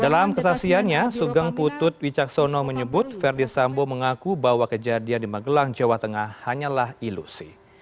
dalam kesaksiannya sugeng putut wicaksono menyebut verdi sambo mengaku bahwa kejadian di magelang jawa tengah hanyalah ilusi